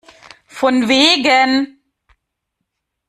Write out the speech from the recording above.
Von wegen!